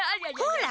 ほら。